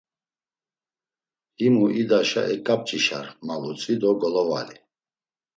Himu idaşa eǩap̌ç̌işar, ma vutzvi do golovali.